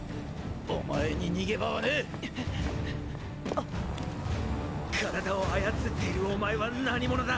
あっ⁉体を操っているお前は何者だ！